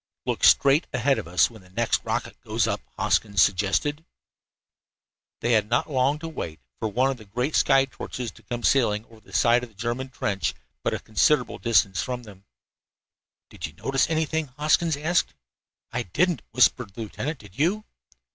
"Look straight ahead of us when the next rocket goes up," Hoskins suggested. They had not long to wait for one of the great sky torches to come sailing over the side of the German trench, but from a considerable distance ahead of them. "Did you notice anything?" Hoskins asked. "I didn't," whispered the lieutenant. "Did you?"